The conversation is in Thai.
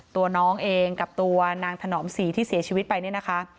ตัวน้องเองกับตัวนางถนอมศรีที่เสียชีวิตไปเนี่ยนะคะ